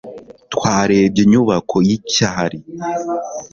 twarebye inyubako y'icyari